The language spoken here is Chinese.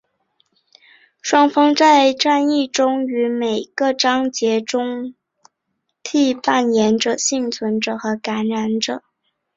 双方在战役中于每一个章节中交替扮演幸存者和感染者。